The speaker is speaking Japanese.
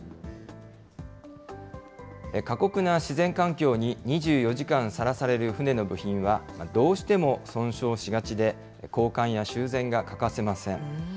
過酷な自然環境に２４時間さらされる船の部品は、どうしても損傷しがちで、交換や修繕が欠かせません。